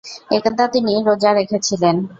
একদা তিনি রোযা রেখেছিলেন।